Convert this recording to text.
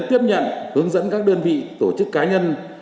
tiếp nhận hướng dẫn các đơn vị tổ chức cá nhân